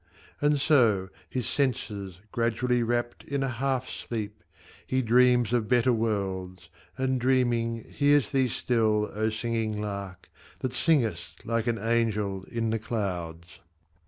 And so, his senses gradually wrapt In a half sleep, he dreams of better worlds, And dreaming hears thee still, O singing lark, That singest like an angel in the clouds